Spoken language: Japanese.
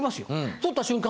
取った瞬間